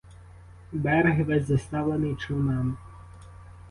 Берег весь заставлений човнами.